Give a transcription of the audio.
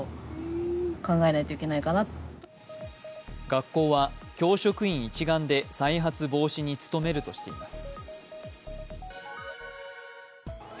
学校は教職員一丸で再発防止に努めるとしています。